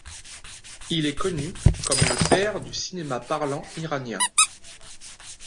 Il est connu comme le père du cinéma parlant iranien.